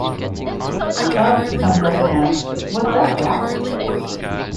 Bugs comes up and asks What's up doc?